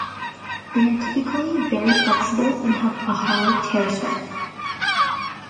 They are typically very flexible and have a high tear strength.